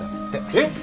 えっ？